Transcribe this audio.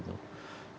nah itu sudah diperiksa